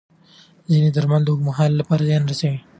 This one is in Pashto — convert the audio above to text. ځینې درمل د اوږد مهال لپاره زیان رسوي.